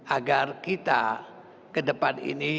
agar kita ke depan ini